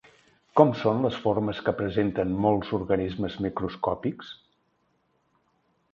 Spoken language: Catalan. Com són les formes que presenten molts organismes microscòpics?